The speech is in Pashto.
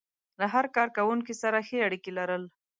له هر کار کوونکي سره ښې اړيکې لرل.